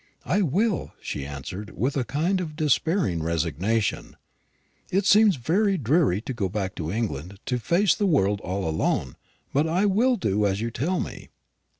"I will," she answered, with a kind of despairing resignation. "It seems very dreary to go back to England to face the world all alone. But I will do as you tell me."